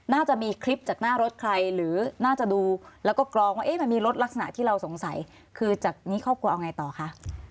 น่าจะมีคลิปจากหน้ารถใครหรือน่าจะดูแล้วก็กรองว่ามันมีรถลักษณะที่เราสงสัยคือจากนี้ครอบครัวเอาไงต่อคะ